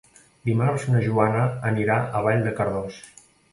Dimarts na Joana anirà a Vall de Cardós.